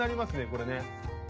これね。